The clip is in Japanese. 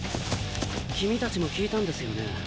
君たちも聞いたんですよね？